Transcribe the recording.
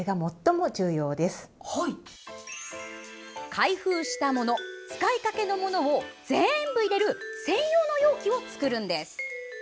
開封したもの使いかけのものを全部入れる専用の容器を作るんです。